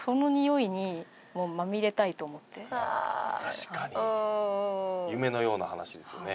確かに夢のような話ですよね。